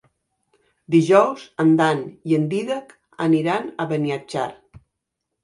Dijous en Dan i en Dídac aniran a Beniatjar.